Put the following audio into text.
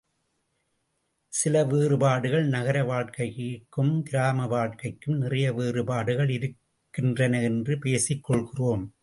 சில வேறுபாடுகள் நகர வாழ்க்கைக்கும் கிராமம வாழ்க்கைக்கும் நிறைய வேறுபாடுகள் இருக்கின்றன என்று பேசிக் கொள்கிறோம்.